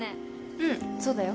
うんそうだよ